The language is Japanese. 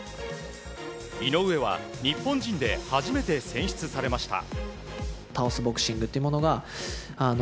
井上は日本人で初めて選出されました。